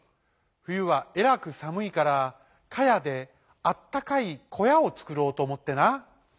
ふゆはえらくさむいからかやであったかいこやをつくろうとおもってな」。